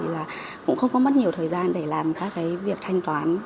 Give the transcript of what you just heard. và cũng không có mất nhiều thời gian để làm các việc thanh toán